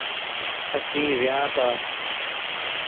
اسين ونياتا